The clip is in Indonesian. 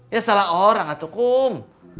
ya salah orang atukum